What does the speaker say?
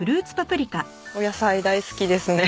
お野菜大好きですね。